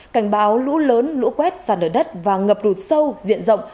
cảnh báo lũ lớn lũ quét sạt nở đất và ngập rụt sâu diện rộng